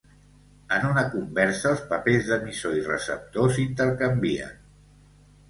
En una conversa els papers d'emissor i receptor s'intercanvien.